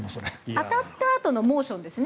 当たったあとのモーションですね。